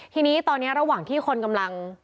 ทีนี้ตอนนี้ระหว่างที่คนกำลัง